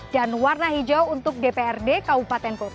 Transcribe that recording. dan warna hijau untuk dprd kabupaten provinsi